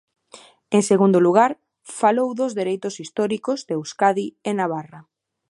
En segundo lugar, falou dos dereitos históricos de Euskadi e Navarra.